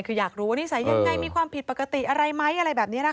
คืออยากรู้ว่านิสัยยังไงมีความผิดปกติอะไรไหมอะไรแบบนี้นะคะ